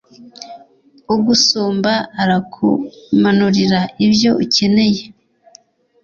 ugusumba arakumanurira ibyo ukeneye